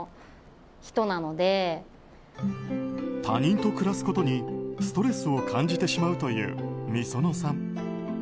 他人と暮らすことにストレスを感じてしまうというｍｉｓｏｎｏさん。